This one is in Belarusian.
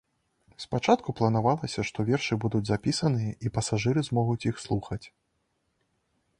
Спачатку планавалася, што вершы будуць запісаныя і пасажыры змогуць іх слухаць.